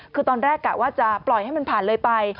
คือตอนแรกกะว่าจะปล่อยให้มันผ่านเลยไป